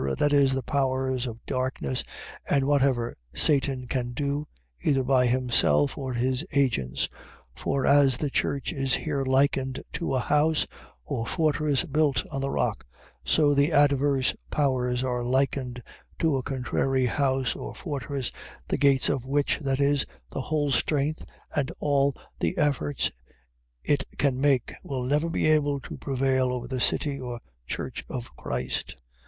.That is, the powers of darkness, and whatever Satan can do, either by himself, or his agents. For as the church is here likened to a house, or fortress, built on a rock; so the adverse powers are likened to a contrary house or fortress, the gates of which, that is, the whole strength, and all the efforts it can make, will never be able to prevail over the city or church of Christ.